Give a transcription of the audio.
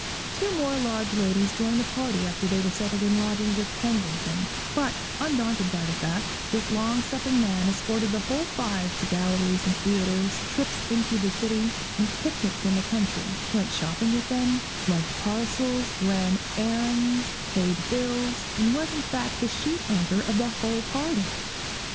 Two more large ladies joined the party after they were settled in lodgings at Kensington; but, undaunted by the fact, this long suffering man escorted the whole five to galleries and theatres, trips into the city, and picnics in the country; went shopping with them, lugged parcels, ran errands, paid bills, and was in fact the sheet anchor of the whole party.